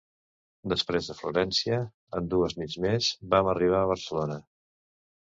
Després de Florència, en dues nits més, vam arribar a Barcelona.